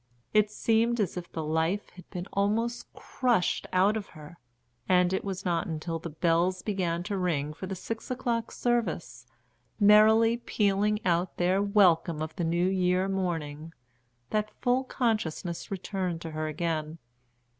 It seemed as if the life had been almost crushed out of her, and it was not until the bells began to ring for the six o'clock service, merrily pealing out their welcome of the new year morning, that full consciousness returned to her again.